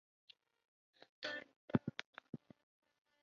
武警反恐特战队队长钟原与恐怖组织猛玛军斗争的故事。